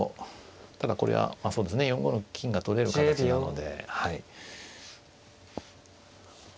ただこれは４五の金が取れる形なので。